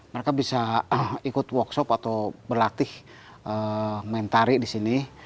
mereka bisa ikut workshop atau berlatih mentari di sini